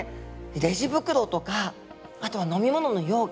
レジ袋とかあとは飲み物の容器